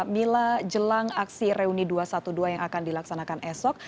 mila jelang aksi reuni dua ratus dua belas yang akan dilaksanakan esok